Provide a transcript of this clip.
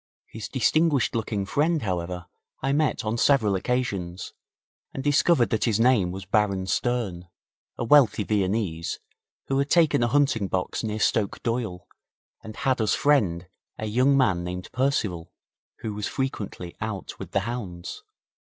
His distinguished looking friend, however, I met on several occasions, and discovered that his name was Baron Stern, a wealthy Viennese, who had taken a hunting box near Stoke Doyle, and had as friend a young man named Percival, who was frequently out with the hounds.